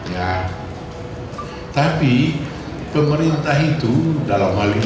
ya tapi pemerintah itu dalam hal ini